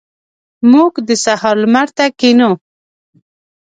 موږ د سهار لمر ته کښینو.